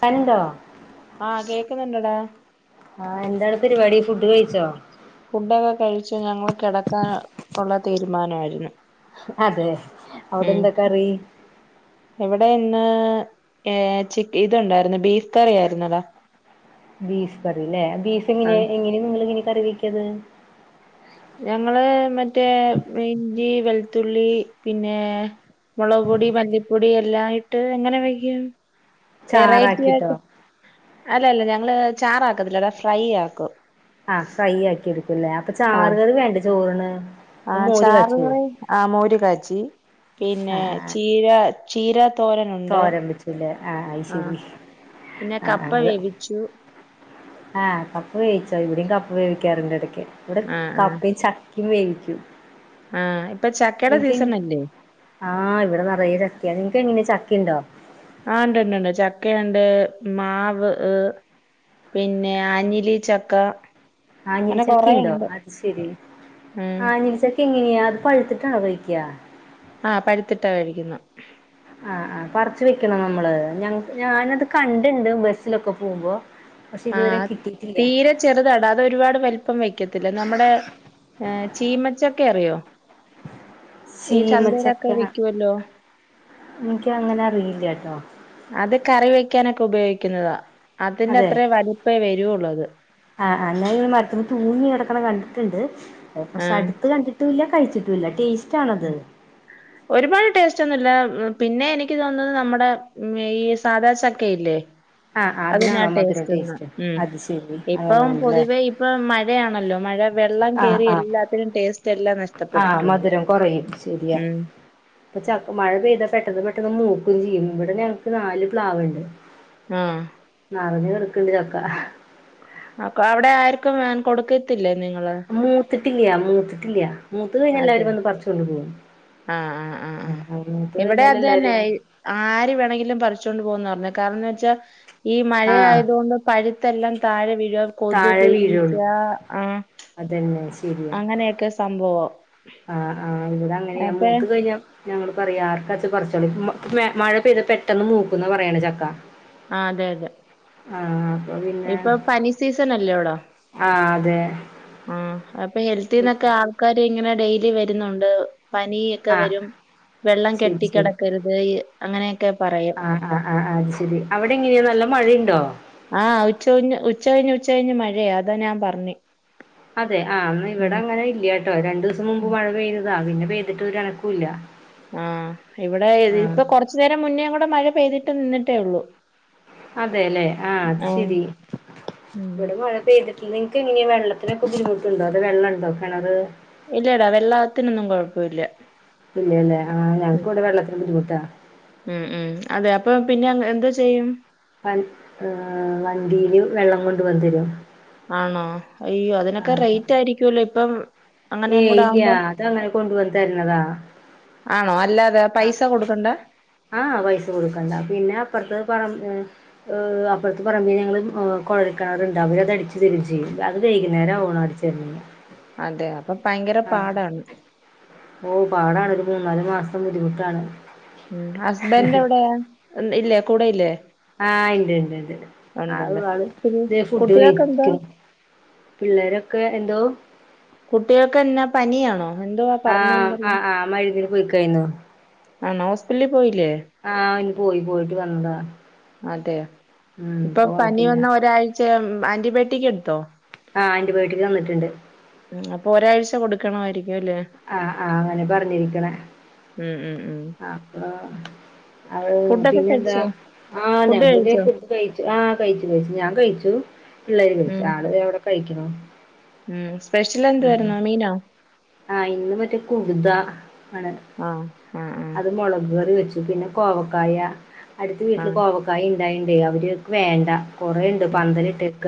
പനിണ്ടോ ആഹ് കേക്കുന്നുണ്ടടാ ആഹ് എന്താണ് പരിപാടി ഫുഡ് കഴിച്ചോ ഫുഡൊക്കെ കഴിച്ചു ഞങ്ങൾ കെടക്കാൻ ഒള്ള തീരുമാനായിരുന്ന് അതെ അവിടെ മ്മ് എന്താ കറി എവിടെ ഇന്ന് ഏ ചിക് ഇത്ണ്ടായിരുന്ന് ബീഫ് കറി ആയിരുന്നെടാ ബീഫ് കറില്ലേ ബീഫ് എങ്ങനെ ആഹ് എങ്ങനേ നിങ്ങള് ഇങ്ങനെ കറി വെക്കുന്നെ ഞങ്ങള് മറ്റേ ഇഞ്ചി വെളുത്തുള്ളി പിന്നേ മൊളക് പൊടി മല്ലിപ്പൊടി എല്ലാം ഇട്ട് അങ്ങനെ വെയ്ക്കും വെറൈറ്റി ചാറാക്കിട്ടോ ആയിട്ട് അല്ലല്ല ഞങ്ങള് ചാറാക്കത്തില്ലെടാ ഫ്രൈ ആക്കും ആഹ് ഫ്രൈ ആക്കി എടുക്കും ല്ലേ അപ്പൊ ആഹ് ചാറുകറി വേണ്ടേ ചോറിന് ആഹ് മോര് കാച്ചുവോ ചാറ്കറി ആ മോര് കാച്ചി പിന്നെ ആഹ് ചീര ചീര തോരനുണ്ട് തോരൻ വെച്ചുല്ലേ അത് ആഹ് ശരി പിന്നെ ആഹ് കപ്പ അത് വേവിച്ചു ആഹ് കപ്പ വേവിച്ചോ ഇവടിം കപ്പ വേവിക്കാറുണ്ടെടക്ക് ഇവടെ ആഹ് ആഹ് കപ്പേം ചക്കേം വേവിക്കും ആഹ് ഇപ്പം ചക്കേടെ നിങ്ങക്ക് സീസണല്ലേ ആഹ് ഇവടെ നറയെ ചക്കെയാ, നിനക്ക് എങ്ങനെ ചക്കിയ്ണ്ടോ ആഹ് ഇണ്ട്ണ്ട്ണ്ട് ചക്കയുണ്ട് മാവ് പിന്നെ ആഞ്ഞിലി ചക്ക ആഞ്ഞിലി അങ്ങനെ ചക്കീണ്ടോ കൊറേയുണ്ട് അത് ശെരി ഉം ആഞ്ഞിൽചക് എങ്ങനെയാ അത് പഴുത്തിട്ട്ണോ കഴിക്യാ ആഹ് പഴുത്തിട്ടാ കഴിക്കുന്നെ ആഹ് ആഹ് പറിച്ച് വെക്കണോ നമ്മള് ഞ ഞാനത് കണ്ടിണ്ട് ബസ്സിലൊക്കെ പോവുമ്പോ പക്ഷെ ഇതുവരെ ആഹ് കിട്ടീട്ടില്ല തീരെ ചെറുതാടാ അത് ഒരുപാട് വലുപ്പം വെക്കത്തില്ല. നമ്മുടെ ചീമച്ചക്കയറിയോ ശീമച്ചക്ക വിക്കുവല്ലോ ഇൻക്കങ്ങനെ അറിയില്ലട്ടോ അത് കറി വെക്കാനൊക്കെ ഉപയോഗിക്കുന്നതാ അതെ അതിന്റെത്രേ വലിപ്പേ വരോള്ളത് ആഹ് ആഹ് ഞാൻ ഇങ്ങനെ മരത്തിന്ന് തൂങ്ങി കെടക്ക്ണ കണ്ടിട്ടുണ്ട് പക്ഷെ ആഹ് അടുത്ത് കണ്ടിട്ട് ട്ടുല്ല കഴിച്ചിട്ടൂല്ല ടേസ്റ്റ് ആണൊത് ഒരുപാട് ടേസ്റ്റൊന്നുല്ല പിന്നെ എനിക്ക് തോന്നുന്നത് നമ്മടെ ഈ സാദാച്ചക്കയില്ലേ ആഹ് ആഹ് അതിനാ അതിനാണോ മധുരം ടേസ്റ്റ്ന്ന് ടേസ്റ്റ് മ്മ് അത് ശരി ഇപ്പം അങ്ങനെയാണല്ലേ പൊതുവെ ഇപ്പ മഴയാണല്ലോ മഴ വെള്ളം ആഹ് കേറി ആഹ് എല്ലാത്തിനും ടേസ്റ്റ് എല്ലാം ആഹ് നഷ്ടപ്പെട്ടിട്ടുണ്ട് മധുരം കുറയും ശരിയാ ഉം ഇപ്പൊ ചക് മഴ പെയ്താ പെട്ടെന്ന് പെട്ടെന്ന് മൂക്കും ചെയ്യും ഇവിടെ ഞങ്ങക്ക് നാല് പ്ലാവ്ണ്ട് ആഹ് നറഞ്ഞ് കട്ക്ക്ണ്ട് ചക്ക അപ്പൊ അവിടെ ആർക്കും വേൺ കൊടുക്കത്തില്ലേ നിങ്ങള് മൂത്ത്ട്ടില്ല്യാ മൂത്ത്ട്ടില്ല്യാ മൂത്ത് കഴിഞ്ഞാ അതെ എല്ലാവരും വന്ന് പറിച്ച് കൊണ്ട് പോകും ആഹ് ആഹ് മൂത്ത് ഇവിടെ അത് തന്നെ കഴിഞ്ഞാലെല്ലാരും ഈ ആര് വേണെങ്കിലും പറിച്ചോണ്ട് പോകുംന്നറഞ്ഞെ കാരണംന്ന് വെച്ചാ ഈ ആഹ് മഴയായത് കൊണ്ട് പഴുത്തെല്ലാം താഴെ വീഴും കൊതുക് ഈച്ച ആ അതെന്നെ ശെരി അങ്ങനെയൊക്കെ സംഭവം ആഹ് ആഹ് ഇവിടങ്ങനെയാ അപ്പെ മൂത്ത് കഴിഞ്ഞ ഞങ്ങള് പറിയാ ആർക്കാച്ച പറിച്ചോളി മേ മഴ പെയ്ത പെട്ടെന്ന് മൂക്കുന്ന പറയ്ണെ ചക്കാ ആഹ് അതെയതെ ആഹ് അപ്പം പിൻ ഇപ്പം പനി സീസണല്ല്യോടാ ആഹ് അതെ ആഹ് അപ്പ ഹെൽത്തിന്നൊക്കെ ആൾക്കാര് ഇങ്ങനെ ഡെയിലി വരുന്നുണ്ട് പനി ഒക്കെ ആഹ് വരും വെള്ളം ശരി ശരി കെട്ടിക്കിടക്കരുത് അങ്ങനെയൊക്കെ പറയും ആഹ് ആഹ് ആഹ് അത് ശരി. അവിടെ എങ്ങനെയാ നല്ല മഴയുണ്ടോ ആഹ് ഉച്ചകഞ്ഞ് ഉച്ചകഴിഞ്ഞു ഉച്ചകഴിഞ്ഞ് മഴയാ അതാ ഞാൻ പറഞ്ഞെ അതെ ആഹ് എന്ന ഇവിടെ അങ്ങനെ ഇല്ല കേട്ടോ, രണ്ടു ദിവസം മുമ്പ് ഉം മഴ പെയ്യ്തതാ പിന്നെ പെയ്തിട്ട് ഒരു അനക്കല്ല ആഹ് ഇവിടെ ഇപ്പൊ കൊറച്ചു നേരം മുന്നേ കൂടെ മഴ പെയ്തിട്ട് നിന്നിട്ടേ ഉള്ളു അതെല്ലേ ആഹ് അത് ശെരി ഉം ഇവിടെ മഴ പെയ്തിട്ട നിങ്ങക്കെങ്ങെനെയാ വെള്ളത്തിന് ബുദ്ധിമുട്ടുണ്ടോ, അതൊ വെള്ള ഉണ്ടോ കിണർ ഇല്ലടാ വെള്ളത്തിനൊന്നും കുഴപ്പല്ല ഇല്ലല്ലേ ആഹ് ഞങ്ങൾക് ഇവിടെ വെള്ളത്തിന് ബുദ്ധിമുട്ടാ ഉം ഉം അതെ അപ്പൊ പിന്നെ എന്തോ ചെയ്യും വ ഏഹ് വണ്ടിയില് വെള്ളം കൊണ്ട് വന്ന് തരും ആണോ അയ്യോ അതിനൊക്കെ ആഹ് റേറ്റ് ആയിരിക്കുമല്ലോ ഇപ്പം അങ്ങനെ ഏയ് കൂടെ ഇല്ല ആവുമ്പോ അത് അങ്ങനെ കൊണ്ട് വന്ന് തരുന്നതാ ആണോ അല്ലാതെ പൈസ കൊടുക്കണ്ടേ ആഹ് പൈസ കൊടുക്കണ്ട. പിന്നെ അപ്പുറത്ത് പറമ്പ ഏഹ് അപ്പുറത്തെ പറമ്പിൽ ഞങ്ങള് കൊഴൽ കിണറുണ്ട് അവര് അത് അടിച്ചു തരും ചെയ്യും അത് വൈകുന്നേരം ആവണം അടിച് [unintelligible] അതെ അപ്പ ഭയങ്കര പാടാണ് ഓ പാടാണ് ഒരു മൂന്നാല് മാസം ബുദ്ധിമുട്ടാണ് ഉം ഹസ്ബൻഡെവിടെയാ ഇല്ലേ കൂടെയില്ലേ ആഹ് ഇണ്ടിണ്ടിണ്ട് ആള് ഉണ്ടുണ്ട്. ആള് പിന്നെ ദേ ഫുഡ് കുട്ടികൾക്കെന്താ? കഴിക്ണ് പിള്ളേരൊക്കെ എന്തോ കുട്ടികൾക്ക് എന്നാ പനിയാണോ എന്തുവാ ആഹ് പറഞ്ഞോണ്ടല്ലോ? ആഹ് ആഹ് മരുന്നിന് പോയിക്കായിന്നു ആണോ ഹോസ്പിറ്റലിൽ പോയില്ലേ ആഹ് ഇന് പോയി പോയിട്ട് വന്നതാ അതെയോ ഉം ഇപ്പൊ പനി കൊഴപ്പില്ല വന്ന ഒരാഴ്ച ആന്റിബയോട്ടിക് എടുത്തോ ആഹ് ആന്റിബയോട്ടിക് തന്നിട്ടുണ്ട് ഉം അപ്പോ ഒരാഴ്ച കൊടു ക്കണമായിരിക്കും അല്ലെ ആഹ് ആഹ് അങ്ങനെ പറഞ്ഞിരിക്കണേ ഉം ഉം ഉം. അപ്പ അവള് ഫുഡൊക്കെ പിന്നെന്താ കഴിച്ചോ? ആഹ് ഫുഡ് ഞങ്ങള് ദേ കഴിച്ചോ? ഫുഡ് കയിച്ചു ആ കയിച്ചു കയിച്ചു ഞാൻ കയിച്ചു പിള്ളേര് കയിച്ചു ഉം. ആള് ദേ അവിടെ കഴിക്കണ് ഉം സ്പെഷ്യൽ എന്തുവാരുന്നു മീനോ ആഹ് ഇന്ന് മറ്റേ കുടുത ആണ് ആ. ആ ആ. അത് മൊളക് കറി വെച്ചു പിന്നെ കോവക്കായ അടുത്ത ആ. വീട്ടിൽ കോവക്കായ ഇണ്ടായോണ്ടേ അവര്ക്ക് വേണ്ട കൊറേണ്ട് ഉം. പന്തലിട്ടേക്ക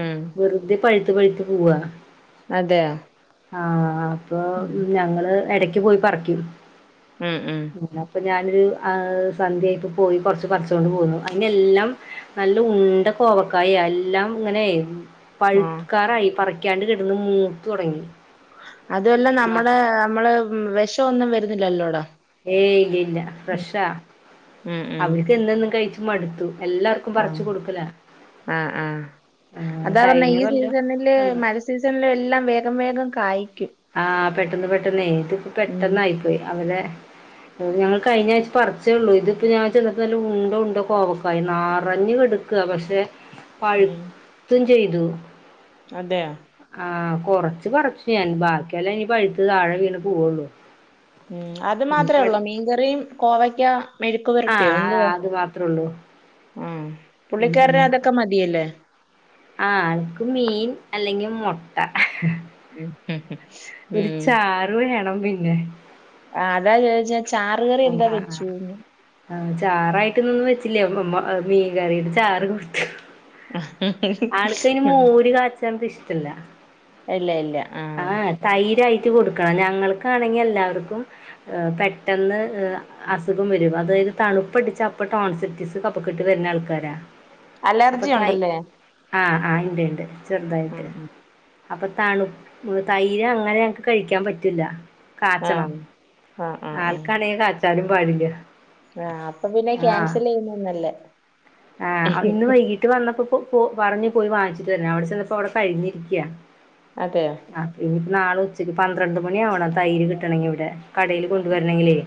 ഉം വെറുതെ പഴുത്ത് പഴുത്ത് പോവ അതെയോ ആഹ് അപ്പൊ ഉം. ഞങ്ങള് ഇടക്ക് പോയി പറിക്കും ഉം ഉം അപ്പ ഞാനൊരു ആഹ് സന്ധ്യയായിപ്പ പോയി കുറച്ച് പറിച്ചോണ്ട് പോന്നു അതിനെല്ലാം നല്ല ഉണ്ട കോവക്കായ എല്ലാം ഇങ്ങനെ ആ. പഴ്ക്കാറായി പറിക്കാണ്ട് കിടന്ന് മൂത്ത് തുടങ്ങി അതുവല്ല നമ്മുടെ നമ്മള് വെഷവൊന്നും വരുന്നില്ലല്ലോട ഏയ് ഇല്ലില്ല ഫ്രഷാ ഉം ഉം അവര്ക്ക് എന്നുന്നും കഴിച്ച് മടുത്തു എല്ലാർക് ആഹ് ആഹ് ആഹ് ആ, അതാ പറഞ്ഞേ കഴിഞ്ഞ ഈ കൊല്ലം സീസണില് തന്നു. മ സീസണിലും എല്ലാം വേഗം വേഗം കായ്ക്കും ആഹ് പെട്ടന്ന് പെട്ടെന്നേ ഇതിപ്പ ഉം പെട്ടെന്നായിപ്പോയി അവര് ഞങ്ങൾ കഴിഞാഴ്ച പറിച്ചേ ഉള്ളൂ ഇതിപ്പോ ഞാൻ ചെന്നപ്പോ നല്ല ഉണ്ട ഉണ്ട കോവക്കായി നറഞ്ഞ് കെടക്ക് ക്ക്വ പക്ഷെ ഉം പഴുത്തും ചെയ്തു അതെയോ ആഹ് കൊറച്ച് പറിച്ചു ഞാൻ ബാക്കിയെല്ലാം ഇനി പഴുത്ത് താഴെ വീണ് പോവുള്ളു ഉം അത് മാത്രേ ഉള്ളോ മീൻകറിയും കോവയ്ക്ക മെഴുക്ക് ആ പൊരട്ടിയോ എന്തുവാ അത് മാത്രേ ഉള്ളൂ ആഹ് ഉം പുള്ളിക്കാരന് അതൊക്കെ മതിയല്ലേ ആഹ് ആൾക്ക് മീൻ അല്ലെങ്കിൽ മുട്ട ഉം ഒരു ഉം ചാറ് വേണം പിന്നെ ആഹ് അതാ ചോയ്ച്ചെ ഉം ആഹ് ആഹ് ആഹ് ചാറായിട്ട്ന്നൊന്നും വെച്ചില്യ മീൻ കറീടെ ചാറ് കൊടുത്തു ആൾക്കയ്ന് മോര് കാച്ചണത് ഇഷ്ടല്ല ഇല്ല ഇല്ല ആഹ് ആഹ് തൈരായിട്ട് കൊടുക്കണം ഞങ്ങൾക്കാണെങ്കി എല്ലാവർക്കും ഏഹ് പെട്ടെന്ന് അസുഖം വരും അതായത് തണുപ്പടിച്ച അപ്പ ടോൺ സെറ്റീസ് കഫക്കെട്ട് വരുന്ന ആൾക്കാരാ അപ്പൊ അലർജി തായ് ഉണ്ടല്ലേ ആഹ് ആഹ് ഇണ്ട് ഇണ്ട് ഉം ചെർതായിട്ട് ഉം അപ്പൊ തണു തൈര് അങ്ങനെ ങ്ങക്ക് കഴിക്കാൻ പറ്റൂല കാച്ചണം ആഹ് ആഹ് ആഹ് ആൾക്കാണെങ്കി കാച്ചാനും പാടില്ല ആഹ അപ്പൊ പിന്നെ ആഹ് ക്യാൻസൽ ചെയ്യുന്നെന്നല്ലേ ആഹ് ഇന്ന് വൈകീട്ട് വന്നപ്പോ പോ പറഞ് പോയി വാങ്ങിച്ചിട്ട് വർണ് അവിടെ ചെന്നപ്പോ അവിടെ കഴിഞ്ഞിരിക്കയാ അതെയോ അ ഇനി നാളെ ഉച്ചയ്ക്ക് പന്ത്രണ്ട് മണി ആവണം തൈര് കിട്ടണങ്കി ഇവിടെ കടയിൽ കൊണ്ടുവരണങ്കിലേ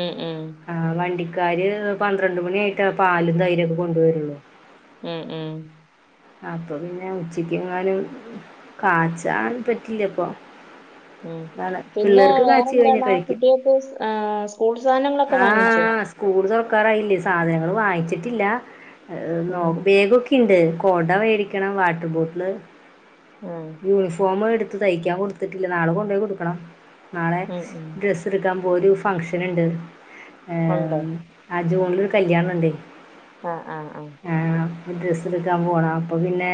ഉം ഉം ആഹ് വണ്ടിക്കാര് പന്ത്രണ്ട് മണിയായിട്ട പാലും തൈരൊക്കെ കൊണ്ടുവരുള്ളൂ ഉം ഉം അപ്പൊ പിന്നെ ഉച്ചക്കെങ്ങാനും കാചാൻ പറ്റില്ലപ്പൊ ഉം അതാണ് പിന്നെ പിള്ളേർക്ക് കാച്ചി കഴിഞ്ഞാ വേറെന്താണ് കഴിക്കും കുട്ടികൾക്ക് ആഹ് സ്കൂൾ സാധനങ്ങളൊക്കെ വാങ്ങിച്ചോ സ്‌കൂൾ തൊർക്കാറായില്ലേ സാധനങ്ങൾ വാങ്ങിച്ചിട്ടില്ല നോ ഉം ബേഗൊക്കെ ണ്ട് കൊട വേടിക്കണം വാട്ടർ ബോട്ടില് ഓഹ് യൂണിഫോം എടുത്ത് തയ്ക്കാൻ കൊടുത്തിട്ടില്ല നാളെ കൊണ്ടോയി കൊടുക്കണം നാളെ ഉം ഉം. ഡ്രസ് എടുക്കാൻ പോരു ഫംഗഷന്ണ്ട് ഉണ്ടോ ആ ജൂണിലൊരു കല്ല്യാണണ്ടേ ആഹ് ആഹ് ആഹ് ആഹ് ഡ്രസ്സെടുക്കാൻ പോണം അപ്പോ പിന്നെ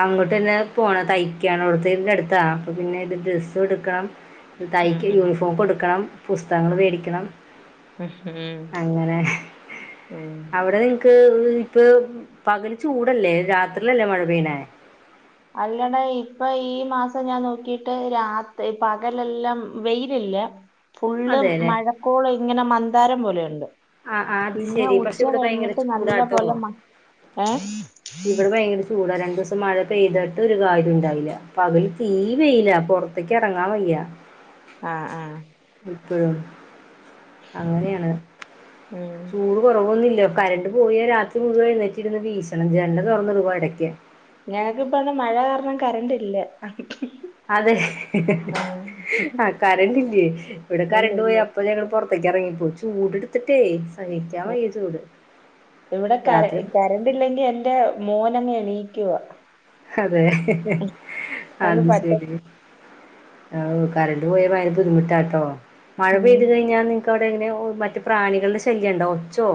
ആങ് ട്ടെന്നെ പോണം തയ്ക്കാന്നുള്ളടുത്ത ഇതിന്റെടുത്താ അപ്പ പിന്നെ ഇ ഡ്രസ്സ് എടുക്കണം ഉം തയ്ക്ക് ഉം യൂണിഫോം കൊടുക്കണം പുസ്തകങ്ങൾ ഉം വേടിക്കണം ഉം അങ്ങനെ ഉം. അവിടെ പകൽ ചൂടല്ലേ രാത്രിലല്ലേ മഴ പെയ്യ്ണെ അല്ലടാ ഇപ്പൊ ഈ മാസം ഞാൻ നോക്കിട്ട് രാത്രി പകലെല്ലാം വെയിലല്ലേ ഫുള്ള് അതെ അല്ലേ മഴക്കോള് ഇങ്ങനെ മന്താരം പോലെയുണ്ട് ആഹ് ആഹ് അത് പിന്നെ ശെരി പക്ഷെ ഉച്ച ഇവിടെ ഭയങ്കര കഴിഞ്ഞിട്ട് നല്ല ചൂടാട്ടോ പോലെ മ- ഏ ഇവിടെ ഭയങ്കര ചൂടാ രണ്ടു ദിവസം മഴ പെയ്തിട്ട് ഒരു കാര്യണ്ടാവില്ല പകല് തീ വെയില പുറത്തേക്ക് ഇറങ്ങാൻ വയ്യാ ആഹ് ആഹ് ഇപ്പോഴും അങ്ങനെയാണ് ഉം ചൂട് കുറവൊന്നുല്ല കറണ്ട് പോയി രാത്രി മുഴുവൻ എഴുന്നെട്ടിരുന്ന് വീഷണം ജനല് തൊർന്നിടും അടയ്ക്ക് ഞങ്ങക്കിപ്പന്ന് മഴ കാരണം കറന്റില്ല അതെ ആ കരണ്ടില്ലേ ഇവിടെ ഇല്ല കരണ്ട് പോയി ഇല്ല അപ്പൊ ഞങ്ങ പൊറത്തേക്ക് ഇറങ്ങിപ്പോ ചൂടെടുത്തിട്ടേ സഹിക്കാൻ ഉം. വയ്യ ചൂട് രാത്രി വണ്ടില്ലെങ്കി എൻ്റെ മോനങ്ങെണീക്കുവാ അതെ അവന് അത് പറ്റ ശരി കറണ്ട് പോയ ഭയങ്കര ബുദ്ധിമുട്ടാട്ടോ മഴ ഉം പെയ്ത് കഴിഞ്ഞാ അവിടെ ഇങ്ങനെ മറ്റ് പ്രാണികളുടെ ശല്യം ഉണ്ടാവും ഒച്ചോ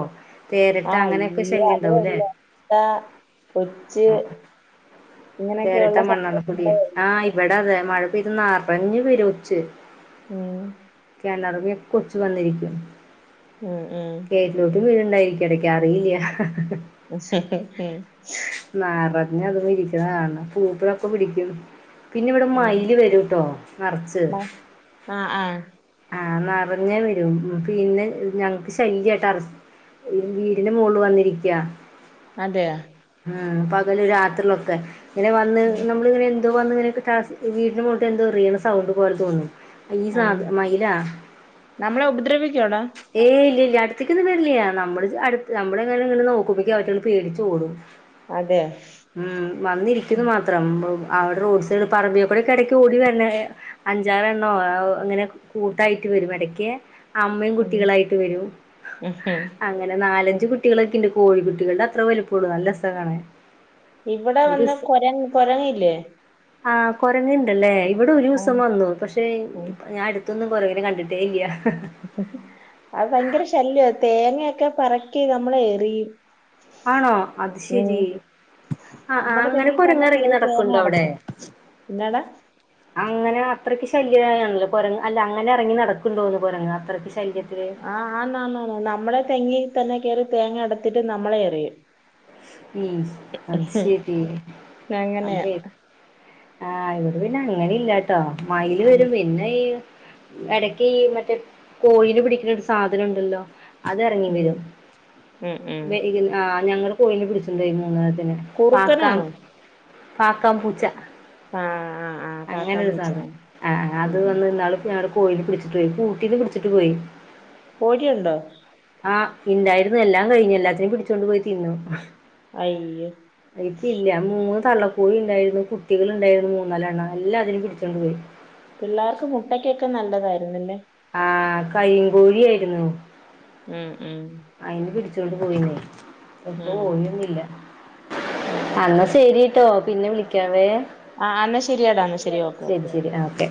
തേരട്ട അങ്ങനെയൊക്കെ ശല്യംണ്ടാവും അല്ലേ ട്ട ഒച്ച് തേരട്ടാ മണ്ണെണക്കുടിയെ സംഭവങ്ങളേ ഉള്ളൂ ആഹ് ഇവിടെ അതെ മഴ പെയ്ത് നറഞ്ഞ് വരും ഒച്ച് ഉം ഇറമിയൊക്കെ കൊച്ചു വന്നിരിക്കും ഉം ഉം കേറ്റിലോട്ടും വീടുണ്ടായിരിക്കും ഇടക്ക അറിയില്ല [unintelligible] ഉം നറഞ്ഞ അത ഇരിക്കുന്ന കാണണ പൂപ്പലൊക്കെ പിടിക്കും പിന്നെ ഇവിടെ ഉം മയില് ഉം വരൂട്ടോ നറച്ച് ആഹ് ആഹ് ആഹ നിറഞ്ഞേ വരും പിന്നെ ഞങ്ങക്ക് ശല്യമായിട്ട് അറ [unintelligible] വീടിന്റെ മൊളില് വന്നിരിക്ക. അതെയ ഉം പകല് രാത്രിയൊക്കെ ഇങ്ങനെ വന്ന് ഉം നമ്മളിങ്ങനെ ഇത് വന്ന് കഴിഞ്ഞിട്ട് ടാസ് വീടിന് മുകൾക്ക് എന്തോറീണ സൗണ്ട് പോലെ തോന്നും ഈ സാധ ആഹ് മയിലാ. നമ്മളെ ഉപദ്രവിക്കോടാ ഏഹ് ഇല്ല്യ ല്ല്യ അട്ത്ത്ക്കൊന്നും വെരില്ല്യ നമ്മള് അട്ത്ത് നമ്മള് ങ്ങനെ നിന്ന് നോക്കുമ്പോത്തി അവറ്റങ്ങൾ പേടിച്ചോടും. ഉ അതെ ഉം വന്നിരിക്കുന്നു മാത്രം അവടെ റോഡ് സൈഡ് പറമ്പികൂടെക്കെടക്ക് ഓടി വെര്ണേ അഞ്ചാറെണ്ണോ ഓ ഇങ്ങനെ കൂട്ടായിട്ട് വെരും എടക്ക്. അമ്മയും ഉം കുട്ടികളായിട്ട് വെരും ഉം. അ അങ്ങനെ നാലഞ്ച് കുട്ടികളൊക്കെണ്ട് കോഴിക്കുട്ടികൾടെ അത്ര വലിപ്പൊള്ളൂ നല്ല രസ കാണാൻ ഇവടെ നല്ല കൊര കൊരങ്ങില്ലേ ആഹ് കൊരങ്ങണ്ട്ല്ലേ ഇവിടെ ഒരുസം ആഹ് വന്നു പക്ഷെ ഉം ഞാൻ ട് ത്തൊന്നും കൊരങ്ങനെ കണ്ടിട്ടേ ഇല്ല്യ അത് ഭയങ്കര ശല്യ തേങ്ങ്യക്കെ പറക്കി നമ്മളെ എറിയും. ആണോ അത് ഉം ശെരി ആഹ് ആഹ് നമ്മടെ അങ്ങനെ തെങ്ങി തന്നെ കൊരങ്ങൻ എറങ്ങി കേറി തേങ്ങ നടക്കുണ്ടോ അവടെ അടത്തും എന്നാടാ അങ്ങനെ അത്രക്ക് ശല്യാ അങ്ങനെ കൊരങ്ങ് അല്ല അങ്ങനെ എറങ്ങി നടക്കുന്നുന്ന് കുരങ്ങ് അത്രക്ക് ശ ആഹ് ആന്നന്നൂ നമ്മളെ തെങ്ങി തന്നെ കേറി തേങ്ങ എട്ത്ത്ട്ട് നമ്മളെ എറിയും. ഉം അത് ശെരി അങ്ങനെയാ അമ്മെ ആഹ് ഇവടെ പിന്നെ അങ്ങനെ ല്ലട്ടോ മയില് ഉം ചെരും പിന്നെ ഈ എടക്കീ മറ്റേ കോഴി നെ പിടിക്ക്ണൊരു സാധനണ്ടല്ലോ അത് എറങ്ങി ഉം വെരും ഉം ഉം വെ [unintelligible] ആ ഞങ്ങളെ കോഴിനെ പിടിച്ചൊണ്ടേയിനു [unintelligible] പാക്കാം കുറുക്കനാണോ പാക്കാം പൂച്ച. ആഹ് ആഹ് ആഹ് കാക്കാൻ അങ്ങനൊരു പൂച്ച സാധനം ആഹ് ആഹ് അത് ഉം ഉം വന്ന് ഇന്നാള് പൊ ഞങ്ങടെ കോയിനെ പിടിച്ചിട്ട് പോയി കൂട്ടീന് പിടിച്ചിട്ട് പോയി. കോഴിയുണ്ടോ? ആഹ് ഇണ്ടായിര്ന്നു എല്ലാം കഴിഞ്ഞു എല്ലാത്തിനും പിടിച്ചൊണ്ട്പോയി തിന്നു. അയ്യോ ഇപ്പില്ല്യ മൂന്ന് തള്ള കോഴി ണ്ടായിര്ന്നു കുട്ടികള്ണ്ടായിര്ന്നു മൂന്നാലെണ്ണം എല്ലാതിനിം പിടിച്ചൊണ്ട് പോയി. പിള്ളാർക്ക് മുട്ടക്ക്യൊക്കെ നല്ലതായിരുന്നുല്ലേ. ആഹ് കരിങ്കോഴിയായ്ര്ന്നു ഉം ഉം അയിനെ പിടിചോണ്ട് പോയിന്നെ ഇപ്പൊ ഉം കൊയ്യൊന്നുല്ല ഉം അന്ന ശെരിട്ടോ പിന്നെ വിളിക്കാവേ. ആഹ് ആഹ് അന്നാ ശെരിയടാ അന്നാ ശെരി ഓക്കെ ഓക്കെ ശെരി ആഹ് ഓക്കെ